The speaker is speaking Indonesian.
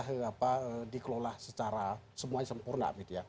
tentu tidak bisa dikelola secara semuanya sempurna